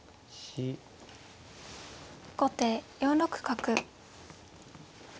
後手４六角。